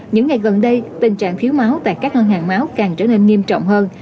những ngày gần đây tình trạng thiếu máu tại các ngân hàng máu càng trở nên nghiêm trọng hơn